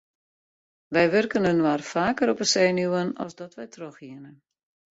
Wy wurken inoar faker op 'e senuwen as dat wy trochhiene.